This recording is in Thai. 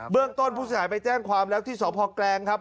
เรื่องต้นผู้เสียหายไปแจ้งความแล้วที่สพแกลงครับ